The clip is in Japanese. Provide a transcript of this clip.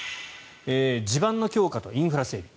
地盤の強化とインフラ整備。